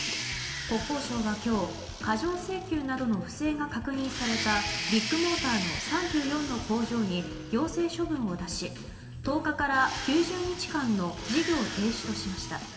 国交省は今日過剰請求などの不正が確認されたビッグモーターの３４の工場に行政処分を出し１０日から９０日間の事業停止としました。